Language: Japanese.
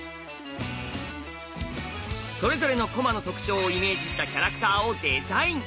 それぞれの駒の特徴をイメージしたキャラクターをデザイン。